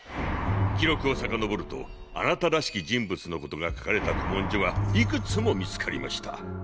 記録を遡るとあなたらしき人物のことが書かれた古文書がいくつも見つかりました。